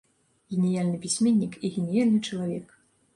Геніяльны пісьменнік і геніяльны чалавек.